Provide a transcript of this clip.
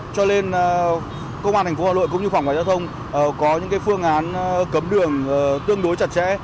cho nên công an thành phố hà nội cũng như phòng ngoại giao thông có những phương án cấm đường tương đối chặt chẽ